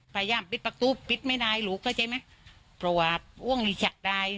พยายามปิดประตูปิดไม่ได้หนูเข้าใจไหมเพราะว่าอ้วงนี่ชักดาย